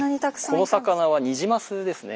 この魚はニジマスですね。